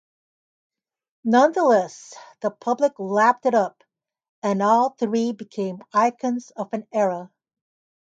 Nonetheless, the public lapped it up and all three became icons of an era.